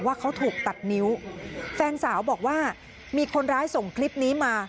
ว่าเขาถูกตัดนิ้วแฟนสาวบอกว่ามีคนร้ายส่งคลิปนี้มา